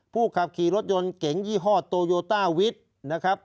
ขับขี่รถยนต์เก๋งยี่ห้อโตโยต้าวิทย์นะครับ